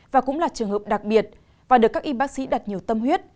và cũng là trường hợp đặc biệt và được các y bác sĩ đặt nhiều tâm huyết